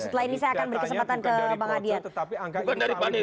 setelah ini saya akan beri kesempatan ke bang adian